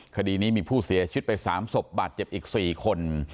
คดีนี้มีผู้เสียชีวิตไป๓ศพบาดเจ็บอีก๔คน